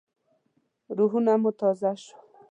روحونه مو تازه شول.